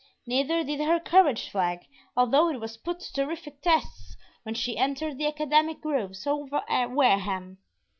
Neither did her courage flag, although it was put to terrific tests when she entered the academic groves of Wareham.